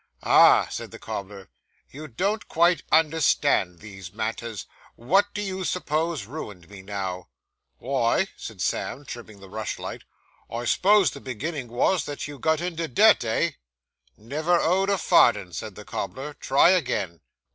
'Ah,' said the cobbler, 'you don't quite understand these matters. What do you suppose ruined me, now?' 'Wy,' said Sam, trimming the rush light, 'I s'pose the beginnin' wos, that you got into debt, eh?' 'Never owed a farden,' said the cobbler; 'try again.